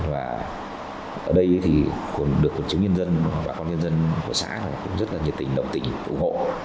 và ở đây thì được chứng nhân dân bà con nhân dân của xã cũng rất là nhiệt tình đồng tình ủng hộ